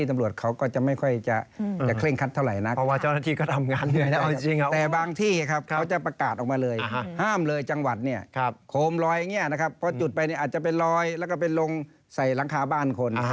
อาจจะไปลอยจะเป็นลงใส่หลังคาบ้านคน